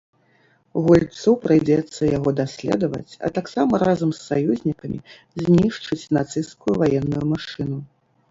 Гульцу прыйдзецца яго даследаваць, а таксама разам з саюзнікамі знішчыць нацысцкую ваенную машыну.